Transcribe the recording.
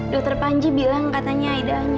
dokter panji bilang katanya